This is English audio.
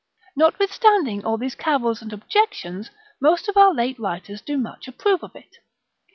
Notwithstanding all these cavils and objections, most of our late writers do much approve of it.